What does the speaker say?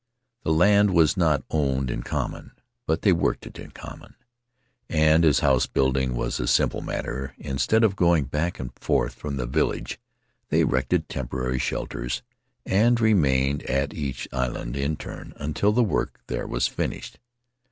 •The land was not owned in common, but they worked it in common; and as house building was a simple matter, instead of going back and forth from the village, they erected temporary shelters and remained at each island in turn until the work there was finished.